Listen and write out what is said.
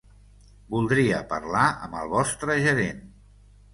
Voldria parlar amb el vostre gerent.